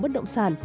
bất động sản